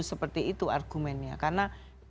seperti itu argumennya karena